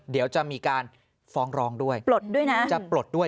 เดี๋ยวจะมีการฟ้องรองด้วยจะปลดด้วย